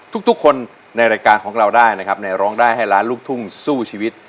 ทุกคนในรายการของเราได้นะครับในร้องได้ให้ล้านลูกทุ่งสู้ชีวิต